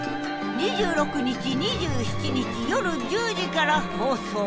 ２６日２７日夜１０時から放送。